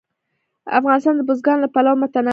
افغانستان د بزګان له پلوه متنوع دی.